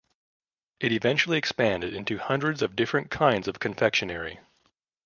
It eventually expanded into hundreds of different kinds of confectionery.